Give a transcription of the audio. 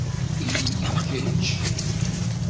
Ili-k d kečč.